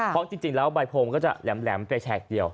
เพราะจริงแล้วใบโพงก็จะแหลมไปแฉกเดียว